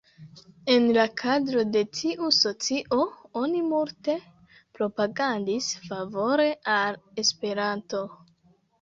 En la kadro de tiu socio, oni multe propagandis favore al Esperanto.